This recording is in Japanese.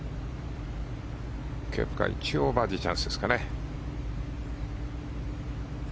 ケプカ、一応バーディーチャンスですかね。